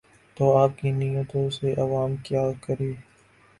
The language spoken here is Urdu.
تو آپ کی نیتوں سے عوام کیا کریں؟